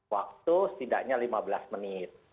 waktu setidaknya lima belas menit